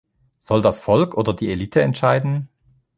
Soll das Volk oder die Elite entscheiden?